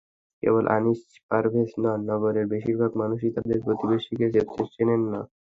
কেবল আনিস পারভেজ নন, নগরের বেশির ভাগ মানুষই তাঁদের প্রতিবেশীকে চেনেন না।